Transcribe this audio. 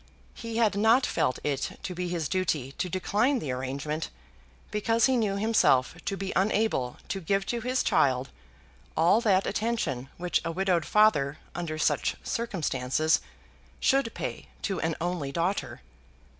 He had not felt it to be his duty to decline the arrangement because he knew himself to be unable to give to his child all that attention which a widowed father under such circumstances should pay to an only daughter.